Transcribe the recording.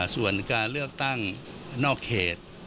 ส่วนการเลือกตั้งนอกเขต